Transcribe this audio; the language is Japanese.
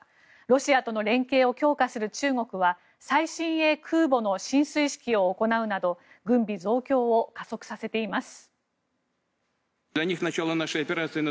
ロシアとの連携を強化する中国は最新鋭空母の進水式を行うなど軍備増強を加速させています。